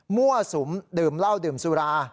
มั่วสุมดื่มเหล้าดื่มสุรา